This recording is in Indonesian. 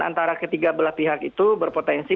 antara ketiga belah pihak itu berpotensi